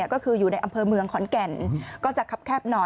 ก็คืออยู่ในอำเภอเมืองขอนแก่นก็จะคับแคบหน่อย